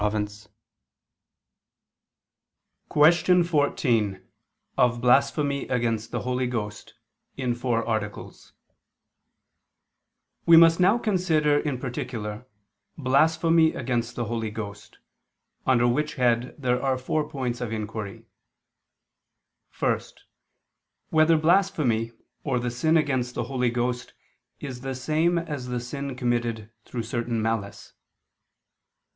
_______________________ QUESTION 14 OF BLASPHEMY AGAINST THE HOLY GHOST (In Four Articles) We must now consider in particular blasphemy against the Holy Ghost: under which head there are four points of inquiry: (1) Whether blasphemy or the sin against the Holy Ghost is the same as the sin committed through certain malice?